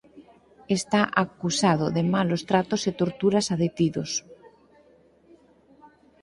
Está acusado de malos tratos e torturas a detidos.